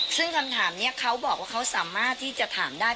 ซึ่งคำถามนี้เขาบอกว่าเขาสามารถที่จะถามได้